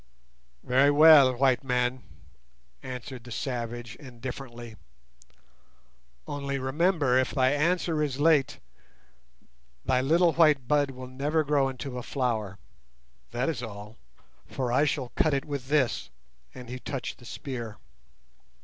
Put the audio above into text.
"Very well, white man," answered the savage indifferently; "only remember if thy answer is late thy little white bud will never grow into a flower, that is all, for I shall cut it with this," and he touched the spear.